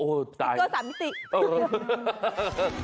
โอ้ใจสติ๊กเกอร์สามมิติ